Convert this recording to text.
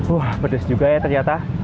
wah pedas juga ya ternyata